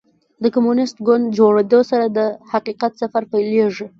د کمونیسټ ګوند جوړېدو سره د حقیقت سفر پیلېږي.